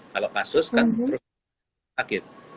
kalau kasus kan terus sakit